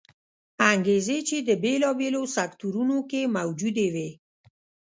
انګېزې چې د بېلابېلو سکتورونو کې موجودې وې